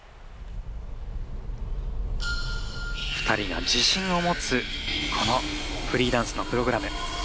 ２人が自信を持つフリーダンスのプログラム。